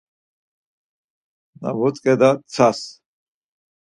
Na votzǩeda tsas...